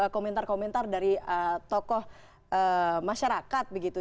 komentar komentar dari tokoh masyarakat begitu